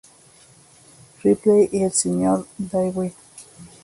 Ripley y el Sr. Dwight.